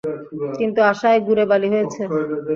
কিন্তু আশায় গুড়ে বালি হয়েছে।